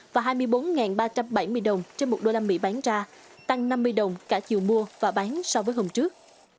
và hai mươi bốn ba trăm bảy mươi đồng trên một đô la mỹ bán ra tăng năm mươi đồng cả chiều mua và bán so với hôm trước